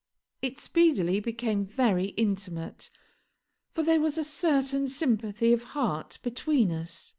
It speedily became very intimate, for there was a certain sympathy of heart between us.